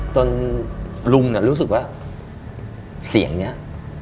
จนลุงรู้สึกว่าเสียงนี้